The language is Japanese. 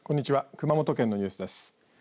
熊本県のニュースです。